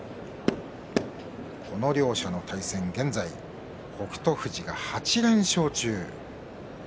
この両者の対戦、現在北勝富士が８連勝中。